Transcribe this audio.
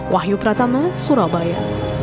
wahyu pratama surabaya